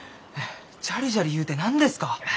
ジャリジャリゆうて何ですか？